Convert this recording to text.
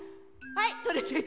はい！